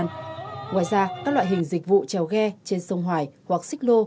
ngoài ra các loại hình dịch vụ trèo ghe trên sông hoài hoặc xích lô